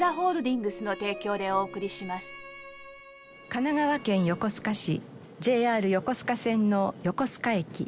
神奈川県横須賀市ＪＲ横須賀線の横須賀駅。